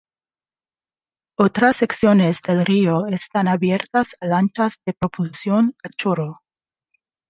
Otras secciones del río están abiertas a lanchas de propulsión a chorro.